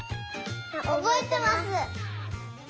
おぼえてます。